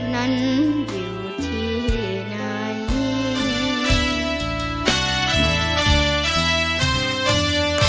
นั้นอยู่ที่ไหน